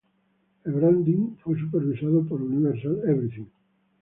El branding fue supervisado por Universal Everything.